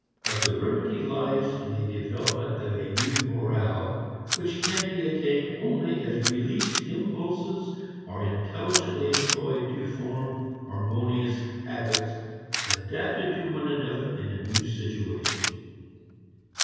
But the remedy lies in the development of a new morale which can be attained only as released impulses are intelligently employed to form harmonious habits adapted to one another in a new situation.